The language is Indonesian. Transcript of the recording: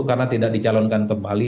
karena tidak dicalonkan kembali